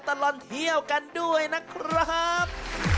ตามรอยตลอดเที่ยวกันด้วยนะครับ